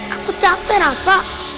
aku capek rafa